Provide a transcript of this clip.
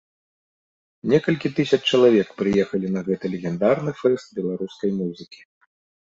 Некалькі тысяч чалавек прыехалі на гэты легендарны фэст беларускай музыкі.